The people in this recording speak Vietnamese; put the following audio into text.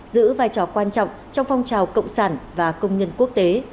giữ vai trò quan trọng trong phong trào cộng sản và công nhân quốc tế